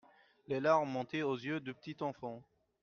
Les larmes montaient aux yeux du petit enfant.